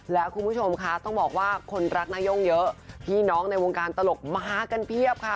และคุณผู้ชมคะต้องบอกว่าคนรักนาย่งเยอะพี่น้องในวงการตลกมากันเพียบค่ะ